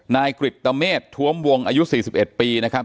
นายกริตเมษท้วมวงอายุ๔๑ปีนะครับ